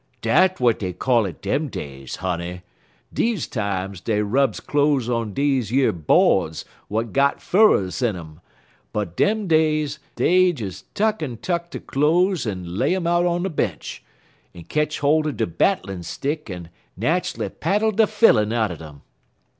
"Dat w'at dey call it dem days, honey. Deze times, dey rubs cloze on deze yer bodes w'at got furrers in um, but dem days dey des tuck'n tuck de cloze en lay um out on a bench, en ketch holt er de battlin' stick en natally paddle de fillin' outen um.